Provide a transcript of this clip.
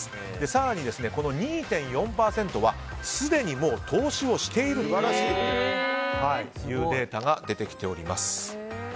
更に２．４％はすでにもう投資をしているというデータが出てきております。